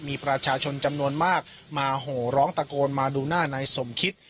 มีประชาชนจำนวนมากมาโหร้องตะโกนมาดูหน้านายสมคิต